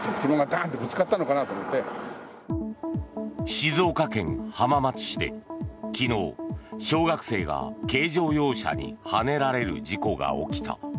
静岡県浜松市で昨日小学生が軽乗用車にはねられる事故が起きた。